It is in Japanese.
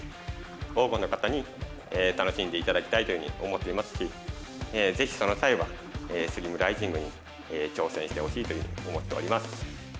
多くの方に楽しんでいただきたいというふうに思っていますし、ぜひその際は、スギムライジングに挑戦してほしいというふうに思っております。